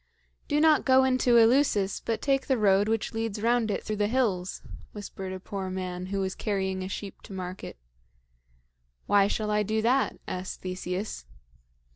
"Do not go into Eleusis, but take the road which leads round it through the hills," whispered a poor man who was carrying a sheep to market. "Why shall I do that?" asked Theseus.